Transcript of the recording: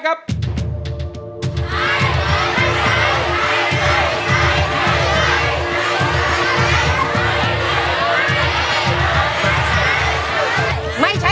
ไม่ไม่ใช้